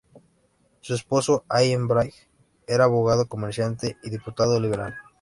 Su esposo, Allen Bright, era abogado, comerciante y diputado liberal.